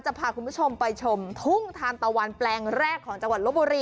พาคุณผู้ชมไปชมทุ่งทานตะวันแปลงแรกของจังหวัดลบบุรี